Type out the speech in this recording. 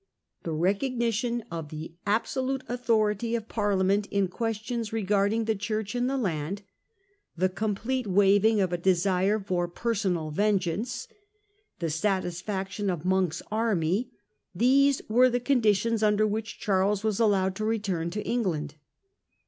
The recognition of the absolute authority of Parlia ment in questions regarding the Church and the land, the complete waiving of a desire for personal vengeance, the satisfaction of Monk's army, these were the conditions under which Charles was allowed to return to England.